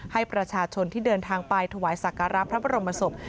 ให้ประชาชนที่เดินทางไปถวายสักการะพระบรมศพ